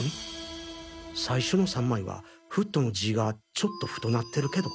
最初の３枚は「フット」の字ぃがちょっと太なってるけど